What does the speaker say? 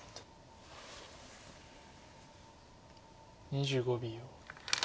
２５秒。